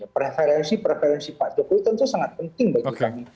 preferensi preferensi pak jokowi tentu sangat penting bagi kami